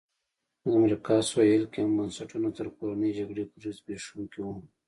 د امریکا سوېل کې هم بنسټونه تر کورنۍ جګړې پورې زبېښونکي وو.